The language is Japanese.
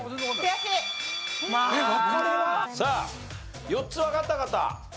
さあ４つわかった方？